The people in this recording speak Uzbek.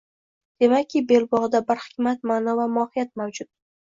Demakki, belbog‘da bir hikmat, ma'no va mohiyat mavjud